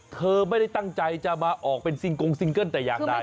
เธอไม่ได้ตั้งใจจะมาออกเป็นซิงกงซิงเกิ้ลแต่อย่างใด